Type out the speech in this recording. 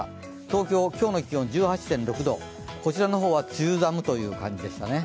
東京、今日の気温１８．６度こちらは梅雨寒という感じでしたね。